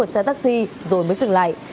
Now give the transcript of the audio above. xe taxi rồi mới dừng lại